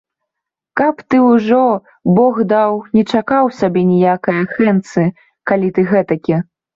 Каб ты ўжо, бог даў, не чакаў сябе ніякае хэнці, калі ты гэтакі.